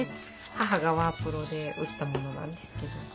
母がワープロで打ったものなんですけど。